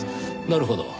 なるほど。